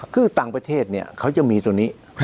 คือต่างประเทศเขาจะมีตัวนี้